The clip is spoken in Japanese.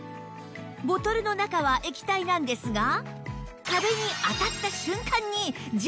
ボトルの中は液体なんですが壁に当たった瞬間にジェルに変化